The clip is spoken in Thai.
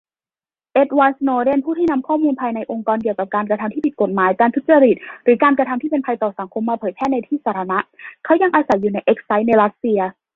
เอ็ดวาร์ด สโนเดน ผู้ที่นำข้อมูลภายในองค์กรเกี่ยวกับกระทำที่ผิดกฏหมาย การทุจริต หรือการกระทำที่เป็นภัยต่อสังคมมาเผยแพร่ในที่สาธารณ เขายังอาศัยอยู่ในเอ็กไซล์ในรัสเซีย